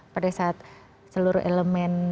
pada saat seluruh elemen